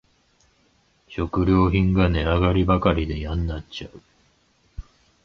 食料品が値上がりばかりでやんなっちゃう